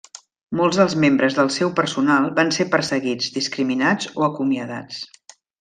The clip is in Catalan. Molts dels membres del seu personal van ser perseguits, discriminats o acomiadats.